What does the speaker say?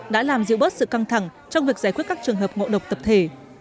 đã làm giữ bớt sự căng thẳng trong việc giải quyết các trường hợp ngộ độc tập thể